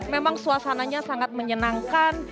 memang suasananya sangat menyenangkan